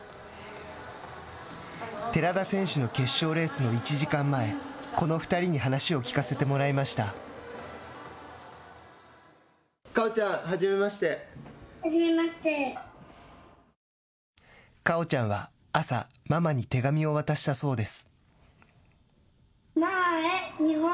寺田選手の決勝レースの１時間前この２人に果緒ちゃんは、朝ママに手紙を渡したそうです。